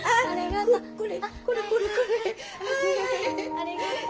ありがとう。